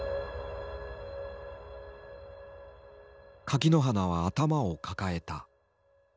垣花は頭を抱えた。